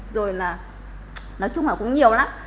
rồi là nói chung là cũng nhiều lắm